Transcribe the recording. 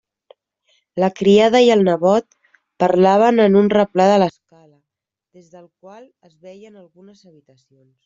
La criada i el nebot parlaven en un replà de l'escala, des del qual es veien algunes habitacions.